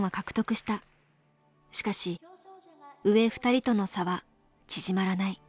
しかし上２人との差は縮まらない。